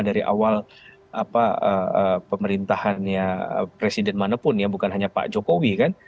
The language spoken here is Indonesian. dari awal pemerintahannya presiden manapun ya bukan hanya pak jokowi kan